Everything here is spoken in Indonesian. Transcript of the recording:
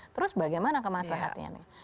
terus bagaimana kemaslahatnya nih